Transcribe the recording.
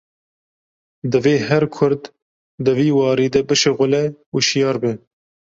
Divê her Kurd di vî warî de bişixule û şiyar be